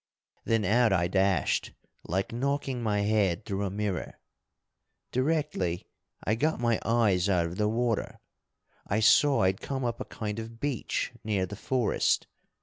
Then out I dashed like knocking my head through a mirror. Directly I got my eyes out of the water, I saw I'd come up a kind of beach near the forest.